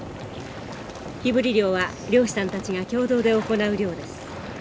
火ぶり漁は漁師さんたちが共同で行う漁です。